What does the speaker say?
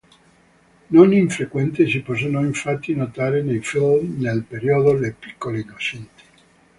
Non infrequente si possono infatti notare nei film del periodo le piccole Innocenti.